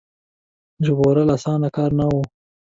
ژغورل اسانه کار نه وو.